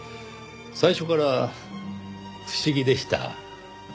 最初から不思議でした。